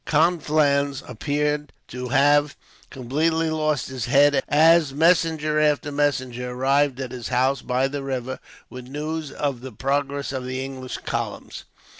Conflans appeared to have completely lost his head, as messenger after messenger arrived at his house, by the river, with news of the progress of the English columns.